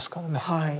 はい。